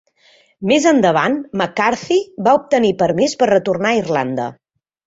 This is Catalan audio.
Més endavant, MacCarthy va obtenir permís per retornar a Irlanda.